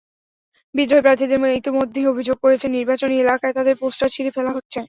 বিদ্রোহী প্রার্থীরা ইতিমধ্যে অভিযোগ করেছেন, নির্বাচনী এলাকায় তাঁদের পোস্টার ছিঁড়ে ফেলা হচ্ছে।